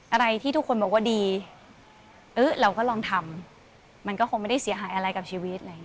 อะไรที่ทุกคนบอกว่าดีเราก็ลองทำมันก็คงไม่ได้เสียหายอะไรกับชีวิต